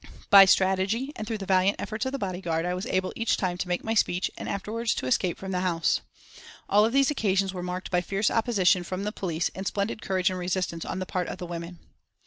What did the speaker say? By strategy, and through the valiant efforts of the bodyguard, I was able each time to make my speech and afterwards to escape from the house. All of these occasions were marked by fierce opposition from the police and splendid courage and resistance on the part of the women.